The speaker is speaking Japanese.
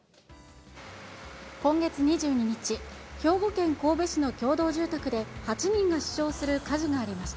今月２２日、兵庫県神戸市の共同住宅で８人が死傷する火事がありました。